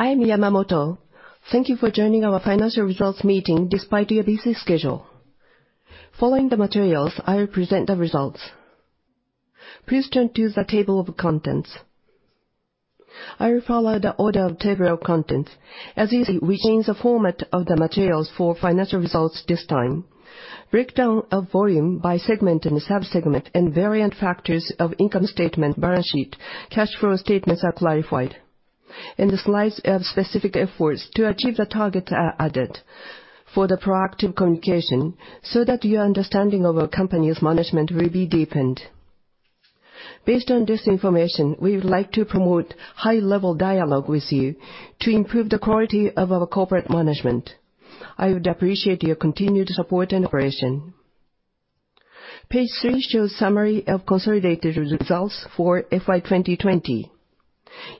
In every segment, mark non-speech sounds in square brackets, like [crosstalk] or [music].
I am Yamamoto. Thank you for joining our financial results meeting despite your busy schedule. Following the materials, I will present the results. Please turn to the table of contents. I will follow the order of table of contents. As you see, we changed the format of the materials for financial results this time. Breakdown of volume by segment and sub-segment and variant factors of income statement, balance sheet, cash flow statements are clarified. The slides add specific efforts to achieve the targets are added for the proactive communication so that your understanding of our company's management will be deepened. Based on this information, we would like to promote high-level dialogue with you to improve the quality of our corporate management. I would appreciate your continued support and operation. Page three shows summary of consolidated results for FY 2020.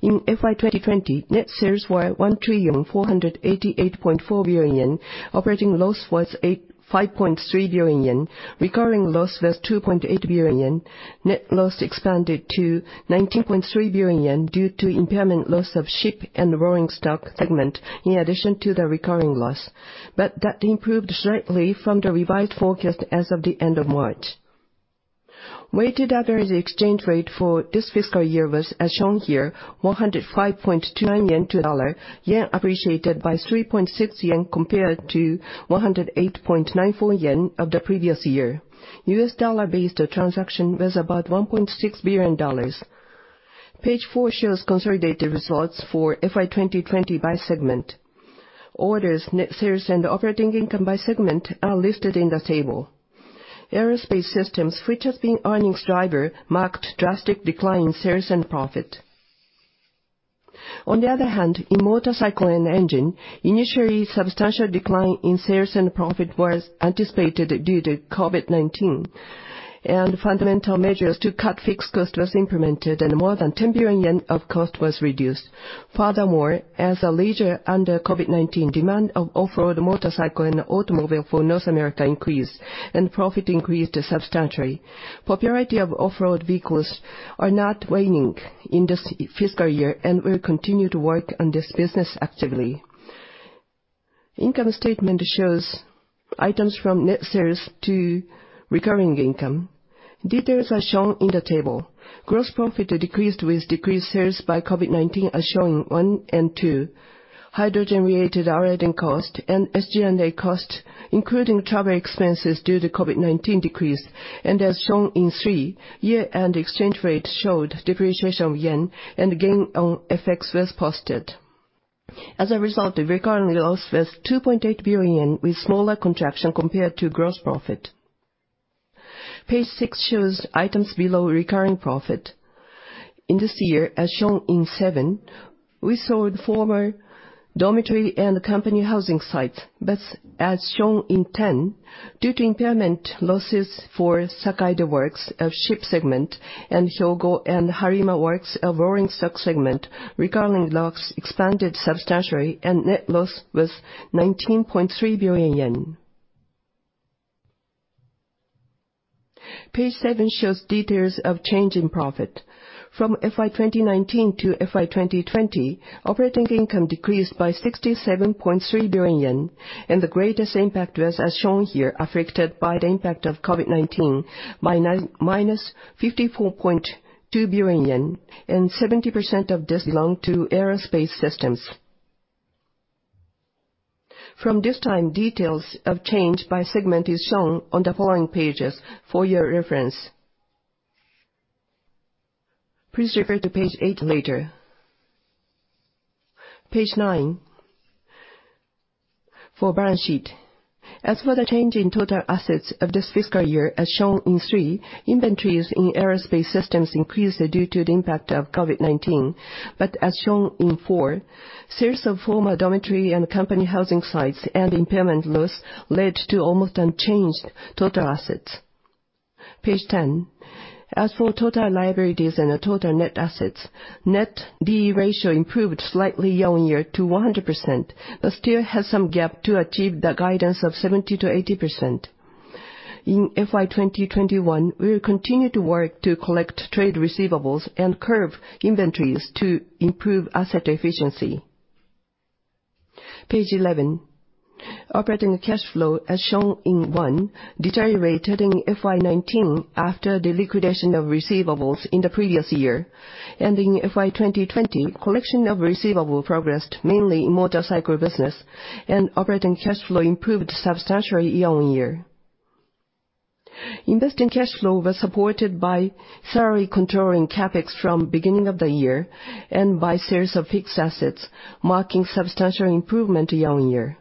In FY 2020, net sales were 1,488.4 billion yen, operating loss was 5.3 billion yen. Recurring loss was 2.8 billion yen. Net loss expanded to 19.3 billion yen due to impairment loss of ship and rolling stock segment in addition to the recurring loss. That improved slightly from the revised forecast as of the end of March. Weighted average exchange rate for this fiscal year was as shown here, 105.29 yen to dollar, yen appreciated by 3.6 yen compared to 108.94 yen of the previous year. U.S. dollar-based transaction was about $1.6 billion. Page four shows consolidated results for FY 2020 by segment. Orders, net sales, and operating income by segment are listed in the table. Aerospace Systems, which have been earnings driver, marked drastic decline in sales and profit. On the other hand, in Motorcycle & Engine, initially substantial decline in sales and profit was anticipated due to COVID-19, and fundamental measures to cut fixed cost was implemented, and more than 10 billion yen of cost was reduced. Furthermore, as a leisure under COVID-19, demand of off-road motorcycle and automobile for North America increased, and profit increased substantially. Popularity of off-road vehicles are not waning in this fiscal year and will continue to work on this business actively. Income statement shows items from net sales to recurring income. Details are shown in the table. Gross profit decreased with decreased sales by COVID-19 as shown in one and two. Hydro generated [audio distortion] cost and SG&A cost, including travel expenses due to COVID-19 decrease. As shown in three, year-end exchange rate showed depreciation of yen and gain on FX was posted. As a result, the recurring loss was 2.8 billion, with smaller contraction compared to gross profit. Page six shows items below recurring profit. In this year, as shown in seven, we sold former dormitory and company housing sites. As shown in 10, due to impairment losses for Sakaide Works of ship segment and Hyogo and Harima Works of Rolling Stock Segment, recurring loss expanded substantially and net loss was 19.3 billion yen. Page seven shows details of change in profit. From FY 2019 to FY 2020, operating income decreased by 67.3 billion yen, the greatest impact was as shown here, affected by the impact of COVID-19 by minus 54.2 billion yen, 70% of this belong to Aerospace Systems. From this time, details of change by segment is shown on the following pages for your reference. Please refer to page eight later. Page nine. For balance sheet. As for the change in total assets of this fiscal year, as shown in three, inventories in Aerospace Systems increased due to the impact of COVID-19. As shown in four, sales of former dormitory and company housing sites and impairment loss led to almost unchanged total assets. Page 10. As for total liabilities and total net assets, net D/E ratio improved slightly year-on-year to 100%, but still has some gap to achieve the guidance of 70%-80%. In FY 2021, we will continue to work to collect trade receivables and curb inventories to improve asset efficiency. Page 11. Operating cash flow, as shown in one, deteriorated in FY 2019 after the liquidation of receivables in the previous year. In FY 2020, collection of receivable progressed mainly in motorcycle business, and operating cash flow improved substantially year-on-year. Invested cash flow was supported by severely controlling CapEx from beginning of the year and by sales of fixed assets, marking substantial improvement year-on-year.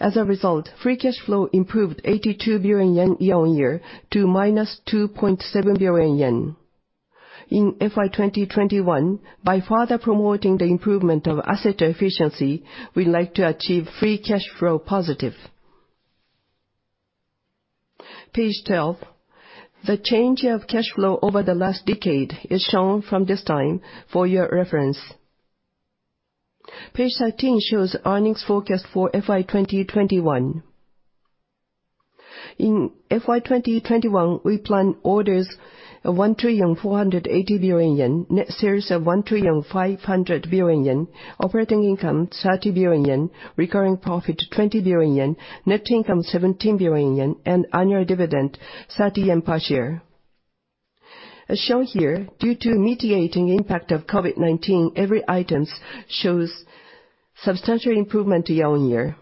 As a result, free cash flow improved 82 billion yen year-on-year to -2.7 billion yen. In FY 2021, by further promoting the improvement of asset efficiency, we'd like to achieve free cash flow positive. Page 12. The change of cash flow over the last decade is shown from this time for your reference. Page 13 shows earnings forecast for FY 2021. In FY 2021, we plan orders of 1.48 trillion, net sales of 1.5 trillion, operating income 30 billion yen, recurring profit 20 billion yen, net income 17 billion yen, and annual dividend 30 yen per share. As shown here, due to mitigating impact of COVID-19, every item shows substantial improvement year-on-year.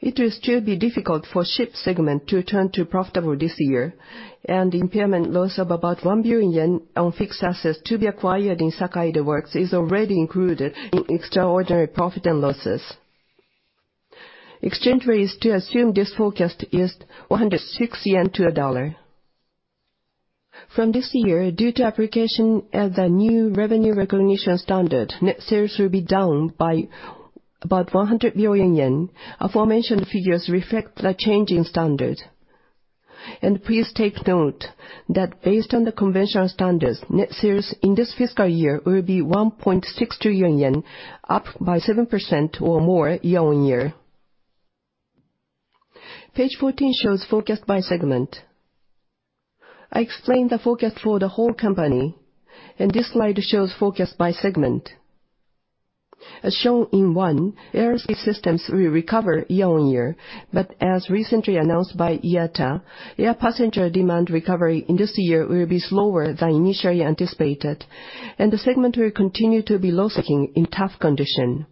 It will still be difficult for ship segment to turn to profitable this year, and impairment loss of about 1 billion yen on fixed assets to be acquired in Sakaide Works is already included in extraordinary profit and losses. Exchange rate we still assume this forecast is 106 yen to $1. From this year, due to application of the new revenue recognition standard, net sales will be down by about 100 billion yen. Aforementioned figures reflect the change in standard. Please take note that based on the conventional standards, net sales in this fiscal year will be 1.6 trillion yen, up by 7% or more year-on-year. Page 14 shows forecast by segment. I explained the forecast for the whole company, this slide shows forecast by segment. As shown in one, Aerospace Systems will recover year-on-year, but as recently announced by IATA, air passenger demand recovery in this year will be slower than initially anticipated, and the segment will continue to be loss-making in tough condition.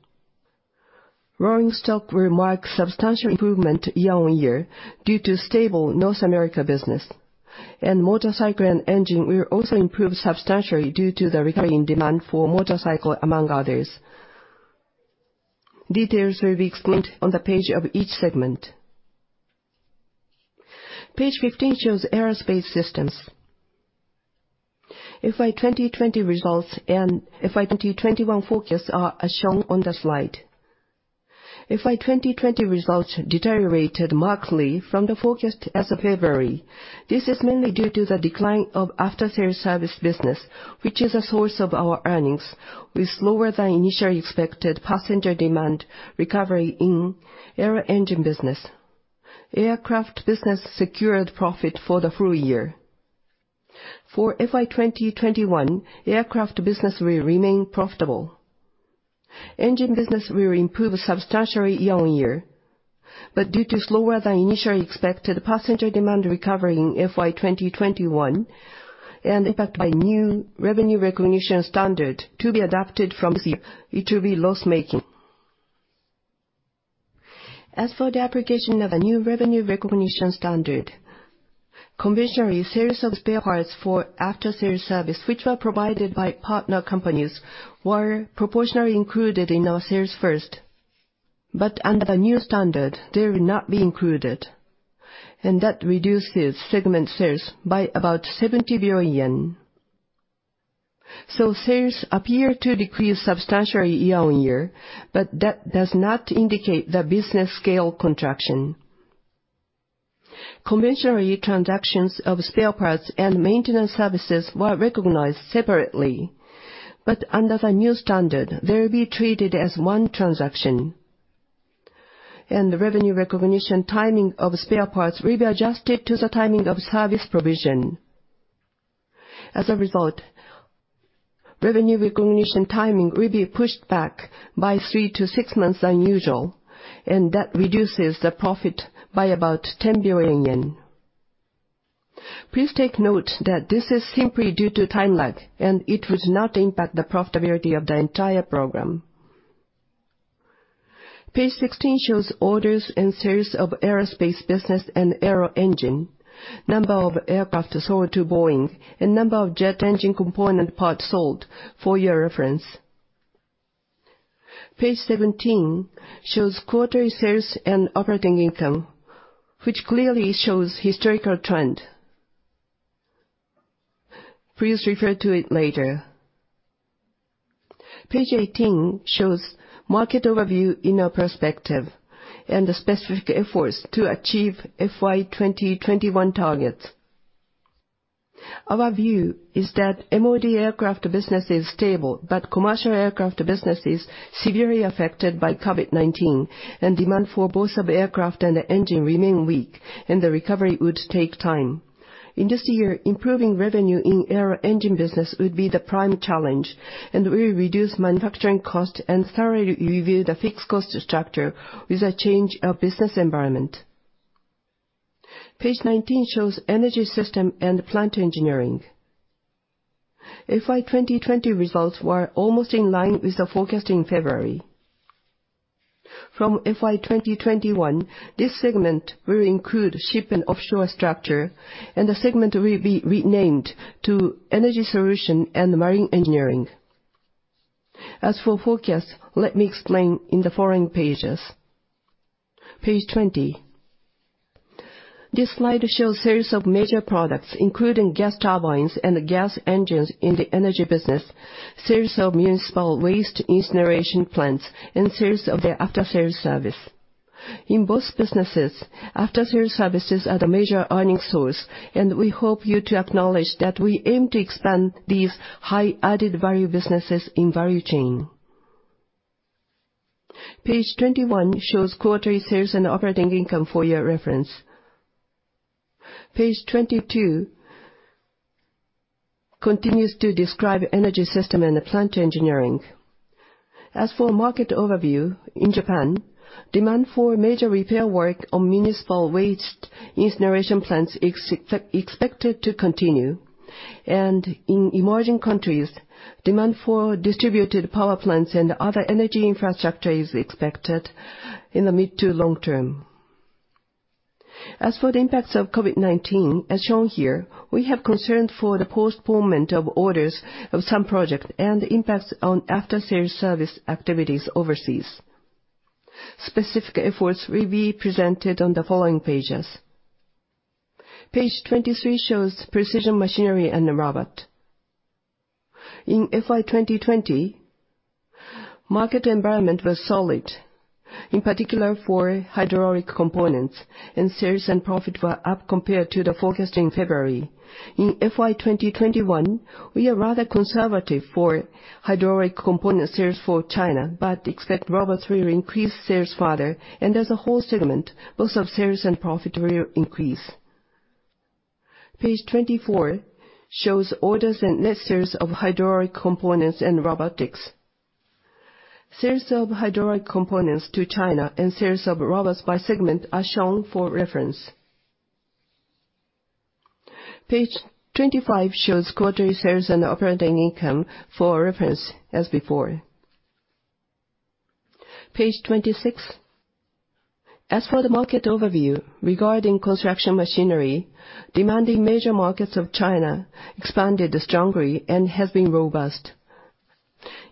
rolling stock will mark substantial improvement year-on-year due to stable North America business. Motorcycle & Engine will also improve substantially due to the recurring demand for motorcycle, among others. Details will be explained on the page of each segment. Page 15 shows Aerospace Systems. FY 2020 results and FY 2021 forecasts are as shown on the slide. FY 2020 results deteriorated markedly from the forecast as of February. This is mainly due to the decline of after-sales service business, which is a source of our earnings, with slower than initially expected passenger demand recovery in aero engine business. Aircraft business secured profit for the full year. For FY 2021, aircraft business will remain profitable. Engine business will improve substantially year-on-year, but due to slower than initially expected passenger demand recovery in FY 2021, and impact by new revenue recognition standard to be adapted from this year, it will be loss-making. As for the application of a new revenue recognition standard, conventionally, sales of spare parts for after-sales service, which were provided by partner companies, were proportionally included in our sales first. Under the new standard, they will not be included, and that reduces segment sales by about 70 billion yen. Sales appear to decrease substantially year-on-year, but that does not indicate the business scale contraction. Conventionally, transactions of spare parts and maintenance services were recognized separately, but under the new standard, they will be treated as one transaction, and the revenue recognition timing of spare parts will be adjusted to the timing of service provision. As a result, revenue recognition timing will be pushed back by three to six months than usual, and that reduces the profit by about 10 billion yen. Please take note that this is simply due to time lag, and it would not impact the profitability of the entire program. Page 16 shows orders and sales of aerospace business and aero engine, number of aircraft sold to Boeing, and number of jet engine component parts sold for your reference. Page 17 shows quarterly sales and operating income, which clearly shows historical trend. Please refer to it later. Page 18 shows market overview in our perspective and the specific efforts to achieve FY 2021 targets. Our view is that MOD aircraft business is stable, but commercial aircraft business is severely affected by COVID-19, and demand for both of aircraft and the engine remain weak, and the recovery would take time. In this year, improving revenue in aero engine business would be the prime challenge, and we will reduce manufacturing cost and thoroughly review the fixed cost structure with a change of business environment. Page 19 shows Energy System & Plant Engineering. FY 2020 results were almost in line with the forecast in February. From FY 2021, this segment will include ship and offshore structure, and the segment will be renamed to Energy Solution and Marine Engineering. As for forecast, let me explain in the following pages. Page 20. This slide shows sales of major products, including gas turbines and gas engines in the energy business, sales of municipal waste incineration plants, and sales of the after-sales service. In both businesses, after-sales services are the major earning source, and we hope you to acknowledge that we aim to expand these high added value businesses in value chain. Page 21 shows quarterly sales and operating income for your reference. Page 22 continues to describe Energy System & Plant Engineering. As for market overview, in Japan, demand for major repair work on municipal waste incineration plants is expected to continue. In emerging countries, demand for distributed power plants and other energy infrastructure is expected in the mid to long term. As for the impacts of COVID-19, as shown here, we have concern for the postponement of orders of some projects and the impacts on after-sales service activities overseas. Specific efforts will be presented on the following pages. Page 23 shows Precision Machinery and Robot. In FY 2020, market environment was solid, in particular for hydraulic components, and sales and profit were up compared to the forecast in February. In FY 2021, we are rather conservative for hydraulic component sales for China, but expect robots will increase sales further, and as a whole segment, both of sales and profit will increase. Page 24 shows orders and net sales of hydraulic components and robotics. Sales of hydraulic components to China and sales of robots by segment are shown for reference. Page 25 shows quarterly sales and operating income for reference, as before. Page 26. As for the market overview, regarding construction machinery, demanding major markets of China expanded strongly and has been robust.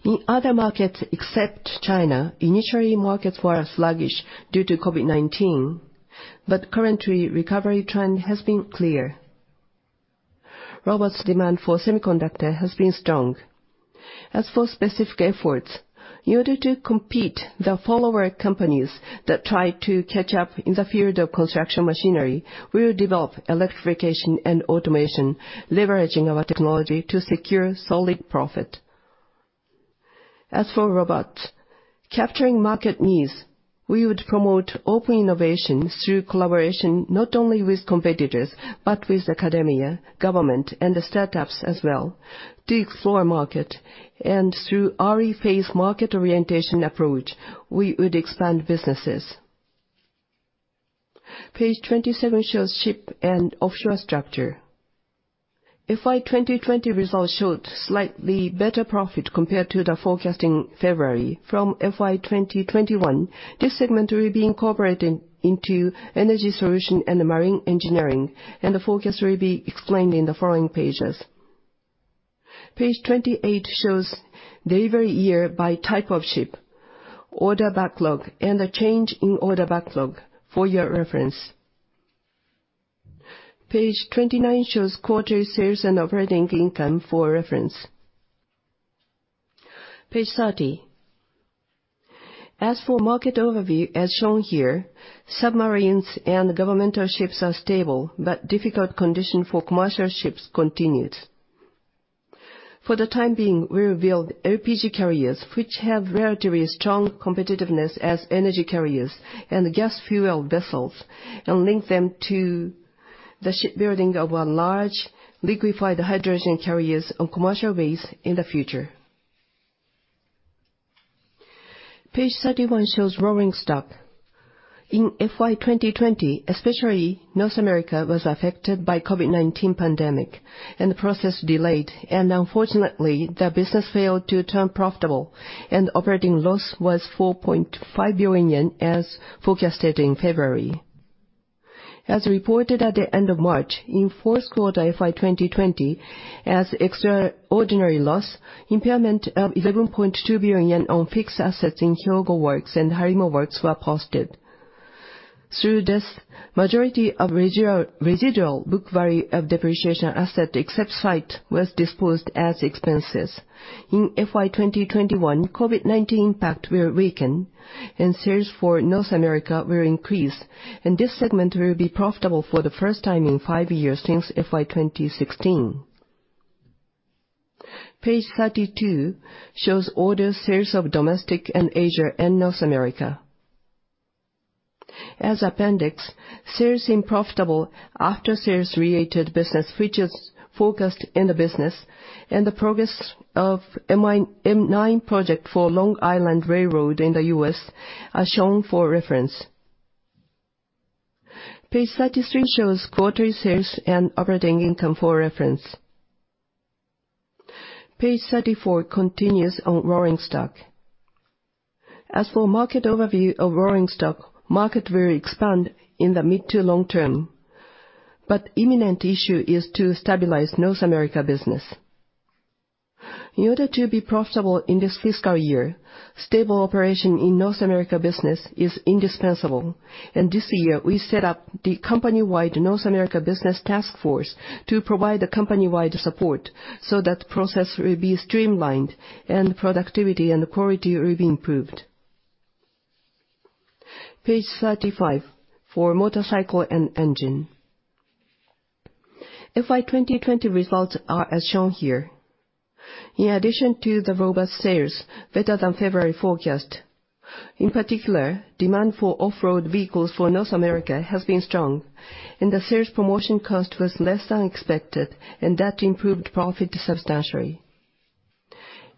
In other markets except China, initially markets were sluggish due to COVID-19, but currently recovery trend has been clear. Robots demand for semiconductor has been strong. As for specific efforts, in order to compete the follower companies that try to catch up in the field of construction machinery, we will develop electrification and automation, leveraging our technology to secure solid profit. As for robots, capturing market needs, we would promote open innovations through collaboration not only with competitors, but with academia, government, and the startups as well to explore market. Through our phased market orientation approach, we would expand businesses. Page 27 shows ship and offshore structure. FY 2020 results showed slightly better profit compared to the forecast in February. From FY 2021, this segment will be incorporated into Energy Solution and the Marine Engineering, and the forecast will be explained in the following pages. Page 28 shows delivery year by type of ship, order backlog, and the change in order backlog for your reference. Page 29 shows quarterly sales and operating income for reference. Page 30. As for market overview, as shown here, submarines and governmental ships are stable, but difficult condition for commercial ships continues. For the time being, we revealed LPG carriers, which have relatively strong competitiveness as energy carriers and gas fuel vessels, and link them to the shipbuilding of our large liquefied hydrogen carriers on commercial base in the future. Page 31 shows rolling stock. In FY 2020, especially North America was affected by COVID-19 pandemic, and the process delayed, and unfortunately, the business failed to turn profitable, and operating loss was 4.5 billion yen as forecasted in February. As reported at the end of March, in fourth quarter FY 2020, as extraordinary loss, impairment of 11.2 billion yen on fixed assets in Hyogo Works and Harima Works were posted. Through this, majority of residual book value of depreciation asset, except site, was disposed as expenses. In FY 2021, COVID-19 impact will weaken, and sales for North America will increase, and this segment will be profitable for the first time in five years since FY 2016. Page 32 shows orders sales of domestic and Asia and North America. As appendix, sales in profitable after-sales-related business, which is focused in the business, and the progress of M9 project for Long Island Rail Road in the U.S. are shown for reference. Page 33 shows quarterly sales and operating income for reference. Page 34 continues on rolling stock. As for market overview of rolling stock, market will expand in the mid to long term, but imminent issue is to stabilize North America business. In order to be profitable in this fiscal year, stable operation in North America Business is indispensable. This year we set up the company-wide North America Business Task Force to provide the company-wide support so that process will be streamlined, productivity and quality will be improved. Page 35 for Motorcycle & Engine. FY 2020 results are as shown here. In addition to the robust sales, better than February forecast. In particular, demand for off-road vehicles for North America has been strong. The sales promotion cost was less than expected. That improved profit substantially.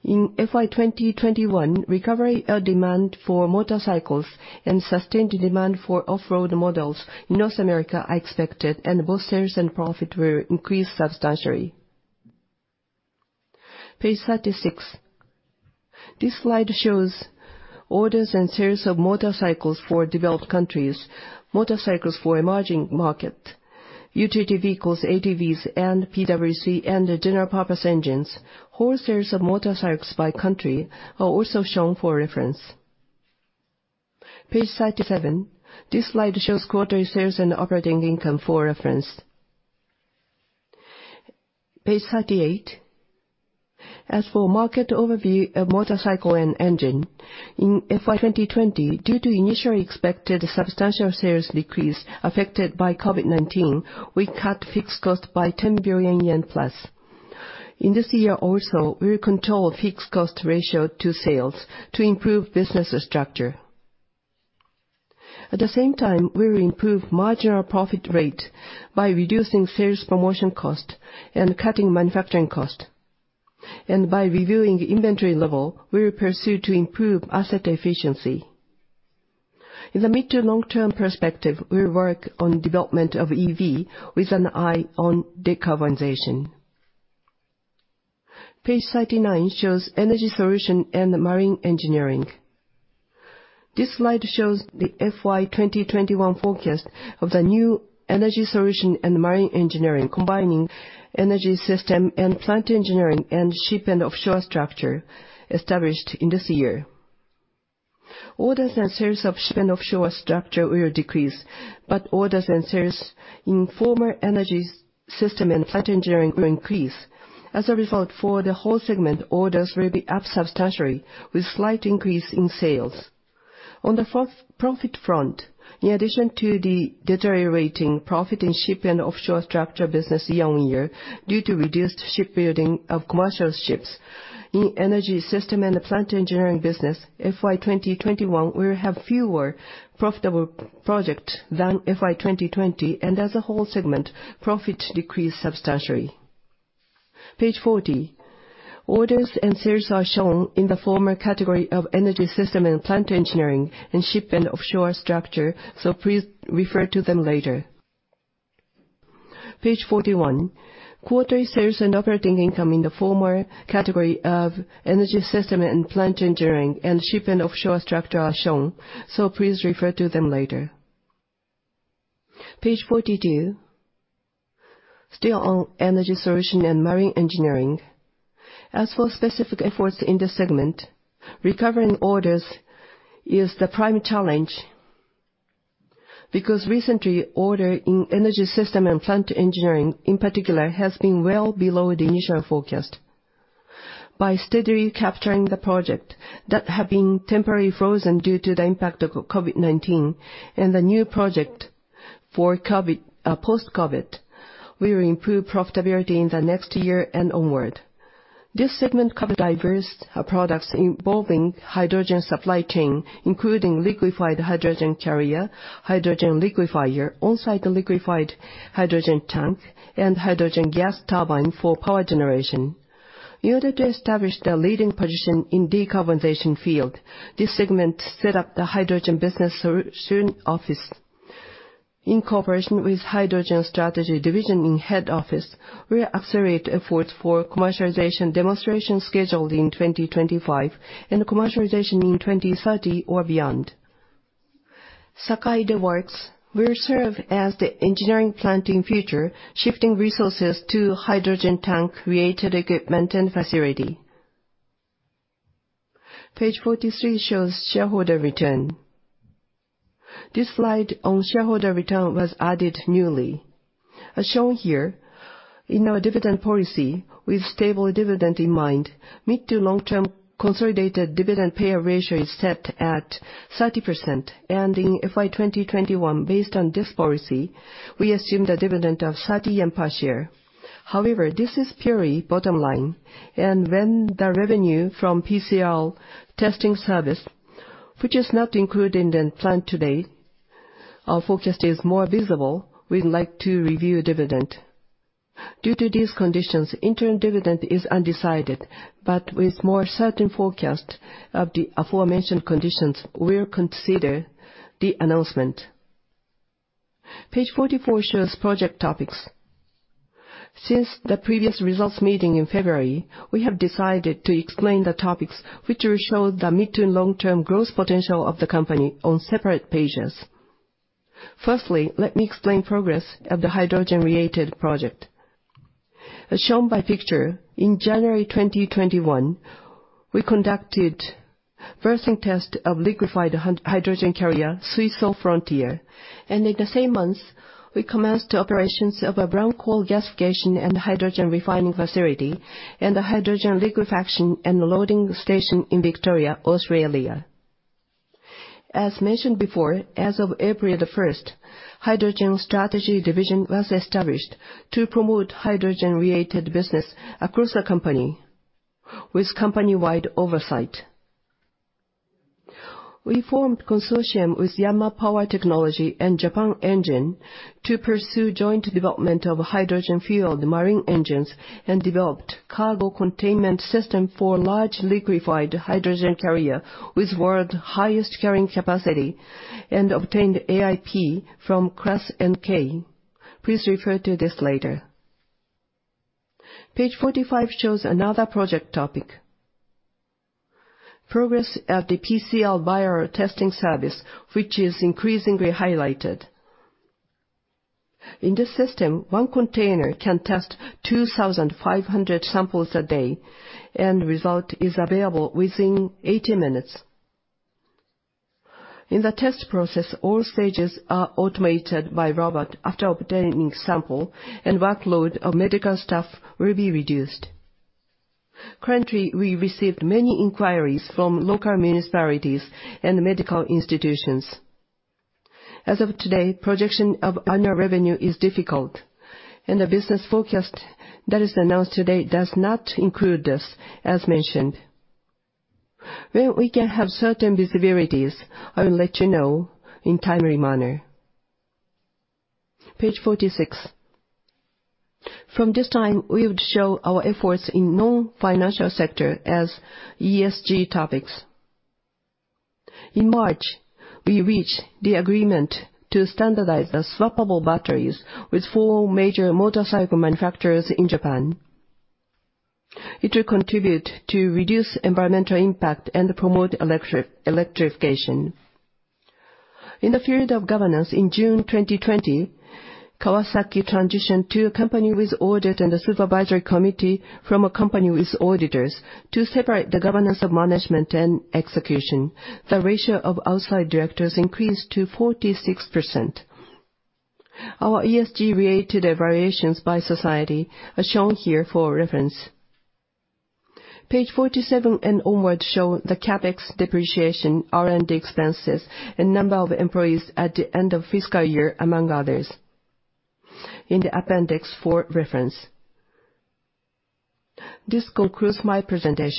In FY 2021, recovery of demand for motorcycles and sustained demand for off-road models in North America are expected. Both sales and profit will increase substantially. Page 36. This slide shows orders and sales of motorcycles for developed countries, motorcycles for emerging market, utility vehicles, ATVs and PWC, general purpose engines. Whole sales of motorcycles by country are also shown for reference. Page 37. This slide shows quarterly sales and operating income for reference. Page 38. As for market overview of Motorcycle & Engine, in FY 2020, due to initially expected substantial sales decrease affected by COVID-19, we cut fixed cost by +10 billion yen. In this year also, we will control fixed cost ratio to sales to improve business structure. At the same time, we will improve marginal profit rate by reducing sales promotion cost and cutting manufacturing cost. By reviewing inventory level, we will pursue to improve asset efficiency. In the mid to long-term perspective, we will work on development of EV with an eye on decarbonization. Page 39 shows Energy Solution and Marine Engineering. This slide shows the FY 2021 forecast of the new Energy Solution and Marine Engineering, combining Energy System & Plant Engineering, and ship and offshore structure established in this year. Orders and sales of ship and offshore structure will decrease, orders and sales in former Energy System & Plant Engineering will increase. As a result, for the whole segment, orders will be up substantially, with slight increase in sales. On the profit front, in addition to the deteriorating profit in ship and offshore structure business year-on-year, due to reduced shipbuilding of commercial ships, in Energy System & Plant Engineering business, FY 2021 will have fewer profitable project than FY 2020. As a whole segment, profit decreased substantially. Page 40. Orders and sales are shown in the former category of Energy System & Plant Engineering, and ship and offshore structure, please refer to them later. Page 41. Quarterly sales and operating income in the former category of Energy System & Plant Engineering, and ship and offshore structure are shown. Please refer to them later. Page 42. Still on Energy Solution and Marine Engineering. As for specific efforts in this segment, recovering orders is the prime challenge. Recently, order in Energy System & Plant Engineering, in particular, has been well below the initial forecast. By steadily capturing the project that have been temporarily frozen due to the impact of COVID-19 and the new project for post-COVID, we will improve profitability in the next year and onward. This segment cover diverse products involving hydrogen supply chain, including liquefied hydrogen carrier, hydrogen liquefier, on-site liquefied hydrogen tank, and hydrogen gas turbine for power generation. In order to establish the leading position in decarbonization field, this segment set up the hydrogen business solution office. In cooperation with Hydrogen Strategy Division in head office, we accelerate efforts for commercialization demonstration scheduled in 2025, commercialization in 2030 or beyond. Sakaide Works will serve as the engineering plant in future, shifting resources to hydrogen tank related equipment and facility. Page 43 shows shareholder return. This slide on shareholder return was added newly. As shown here, in our dividend policy, with stable dividend in mind, mid to long-term consolidated dividend payout ratio is set at 30%. In FY 2021, based on this policy, we assume the dividend of JPY 30 per share. This is purely bottom line, when the revenue from PCR testing service, which is not included in the plan today, our forecast is more visible, we'd like to review dividend. Due to these conditions, interim dividend is undecided, with more certain forecast of the aforementioned conditions, we'll consider the announcement. Page 44 shows project topics. Since the previous results meeting in February, we have decided to explain the topics which will show the mid to long-term growth potential of the company on separate pages. Firstly, let me explain progress of the hydrogen-related project. As shown by picture, in January 2021, we conducted first test of liquefied hydrogen carrier, SUISO FRONTIER, and in the same month, we commenced operations of a brown coal gasification and hydrogen refining facility, and a hydrogen liquefaction and loading station in Victoria, Australia. As mentioned before, as of April the 1st, Hydrogen Strategy Division was established to promote hydrogen-related business across the company, with company-wide oversight. We formed consortium with YANMAR Power Technology and Japan Engine to pursue joint development of hydrogen-fueled marine engines and developed cargo containment system for large liquefied hydrogen carrier with world highest carrying capacity, and obtained AIP from ClassNK. Please refer to this later. Page 45 shows another project topic. Progress at the PCR viral testing service, which is increasingly highlighted. In this system, one container can test 2,500 samples a day, and result is available within 80 minutes. In the test process, all stages are automated by robot after obtaining sample, workload of medical staff will be reduced. Currently, we received many inquiries from local municipalities and medical institutions. As of today, projection of annual revenue is difficult, the business forecast that is announced today does not include this, as mentioned. When we can have certain visibilities, I will let you know in timely manner. Page 46. From this time, we would show our efforts in non-financial sector as ESG topics. In March, we reached the agreement to standardize the swappable batteries with four major motorcycle manufacturers in Japan. It will contribute to reduce environmental impact and promote electrification. In the period of governance in June 2020, Kawasaki transitioned to a company with audit and supervisory committee from a company with auditors, to separate the governance of management and execution. The ratio of outside directors increased to 46%. Our ESG-related evaluations by society are shown here for reference. Page 47 and onward show the CapEx depreciation, R&D expenses, and number of employees at the end of fiscal year, among others, in the appendix for reference. This concludes my presentation.